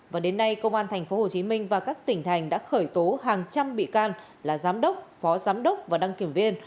và đến nay công an tp hcm và các tỉnh thành đã khởi tố hàng trăm bị can là giám đốc phó giám đốc và đăng kiểm viên